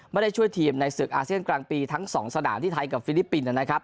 ไม่ได้ช่วยทีมในศึกอาเซียนกลางปีทั้ง๒สนามที่ไทยกับฟิลิปปินส์นะครับ